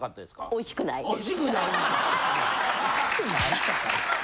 おいしくないとか。